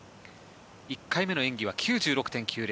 １回目の演技は９６．２０